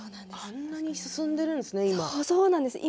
あんなに進んでいるんですね、今。